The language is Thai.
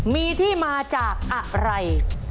มีที่มาจากอะไร